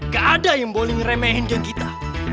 gak ada yang boleh ngeremehin ke kita